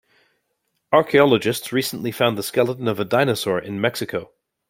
Archaeologists recently found the skeleton of a dinosaur in Mexico.